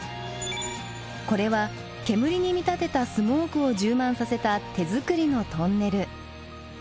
これは煙に見立てたスモークを充満させた手作りのトンネル。